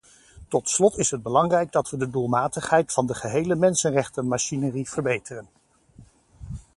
Tot slot is het belangrijk dat we de doelmatigheid van de gehele mensenrechtenmachinerie verbeteren.